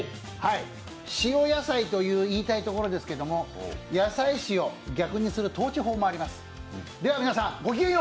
塩野菜と言いたいところですけども野菜塩、逆にする倒置法もあります。